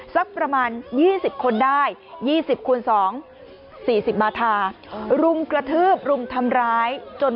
สักประมาณ๒๐คนได้๒๐คูณ๒๔๐มาทารุมกระทืบรุมทำร้ายจน